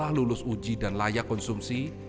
yang telah lulus uji dan layak konsumsi